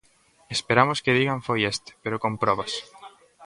Esperamos que digan foi este, pero con probas.